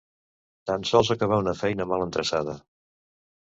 Tan sols acabar una feina mal endreçada.